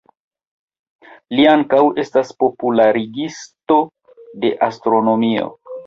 Li ankaŭ estas popularigisto de astronomio.